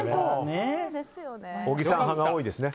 小木さん派が多いですね。